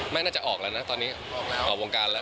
น่าจะออกแล้วนะตอนนี้ออกวงการแล้ว